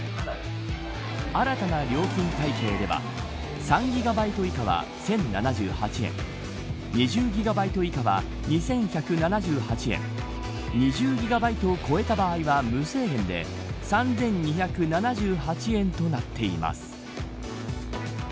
新たな料金体系では３ギガバイト以下は１０７８円２０ギガバイト以下は２１７８円２０ギガバイトを超えた場合は無制限で３２７８円となっています。